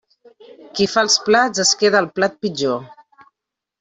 Qui fa els plats es queda el plat pitjor.